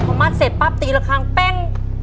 พอมัดเสร็จปั๊บตีละครั้งเป้ง